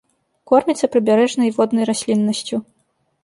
Корміцца прыбярэжнай і воднай расліннасцю.